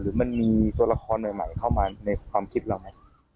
มันมีตัวละครใหม่เข้ามาในความคิดเราไง